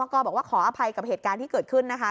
ก็บอกว่าขออภัยกับเหตุการณ์ที่เกิดขึ้นนะคะ